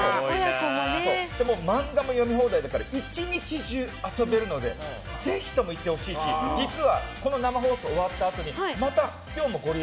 漫画も読み放題だから１日中遊べるのでぜひとも行ってほしいし実はこの生放送が終わったあとにまた今日もゴリエ